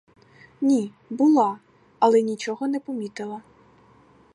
Ні, була, але нічого не помітила.